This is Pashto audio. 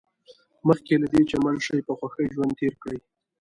مخکې له دې چې مړ شئ په خوښۍ ژوند تېر کړئ.